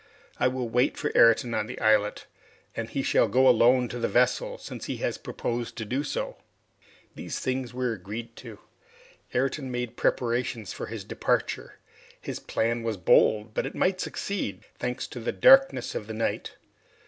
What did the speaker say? I will wait for Ayrton on the islet, and he shall go alone to the vessel, since he has proposed to do so." These things agreed to, Ayrton made preparations for his departure. His plan was bold, but it might succeed, thanks to the darkness of the night.